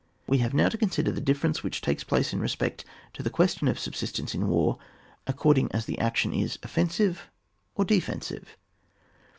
We have now to consider the difference which takes place in respect to the question of subsistence in war, according as the action is offensive or defensive.